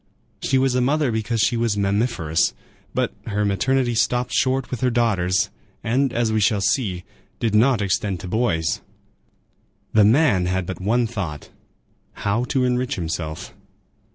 She was a mother because she was mammiferous. But her maternity stopped short with her daughters, and, as we shall see, did not extend to boys. The man had but one thought,—how to enrich himself.